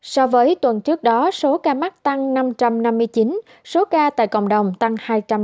so với tuần trước đó số ca mắc tăng năm trăm năm mươi chín số ca tại cộng đồng tăng hai trăm ba mươi